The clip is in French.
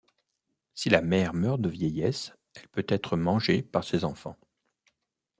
Si la mère meurt de vieillesse elle peut être mangée par ses enfants.